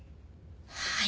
はい？